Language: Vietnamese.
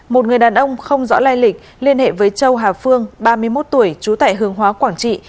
một người đàn ông không rõ lai lịch liên hệ với châu hà phương ba mươi một tuổi trú tại hướng hóa quảng trị